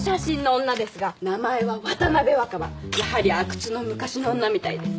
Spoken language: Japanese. やはり阿久津の昔の女みたいです。